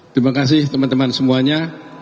terima kasih teman teman semuanya